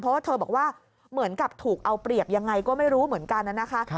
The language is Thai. เพราะว่าเธอบอกว่าเหมือนกับถูกเอาเปรียบยังไงก็ไม่รู้เหมือนกันนะคะ